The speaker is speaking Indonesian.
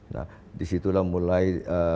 nah disitulah mulai